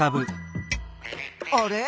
あれ？